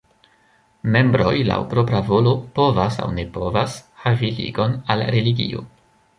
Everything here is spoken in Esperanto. Membroj laŭ propra volo povas aŭ ne povas havi ligon al religio.